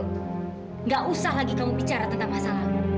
nggak usah lagi kamu bicara tentang masalah